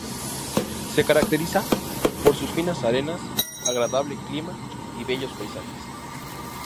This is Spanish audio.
Se caracteriza por sus finas arenas, agradable clima y bellos paisajes.